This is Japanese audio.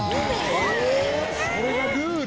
それがルール？